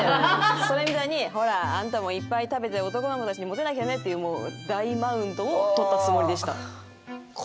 それみたいに「ほらあんたもいっぱい食べて男の子たちにモテなきゃね」っていうもう大マウントを取ったつもりでした。